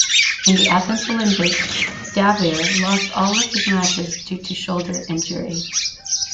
In the Athens Olympics, Dabir lost all of his matches due to shoulder injury.